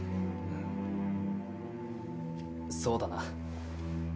そうだな。